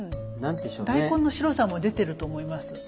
大根の白さも出てると思います。